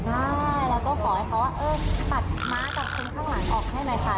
ใช่แล้วก็ขอให้เขาว่าเออตัดม้ากับคนข้างหลังออกให้หน่อยค่ะ